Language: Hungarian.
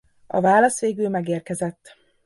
A válasz végül megérkezett.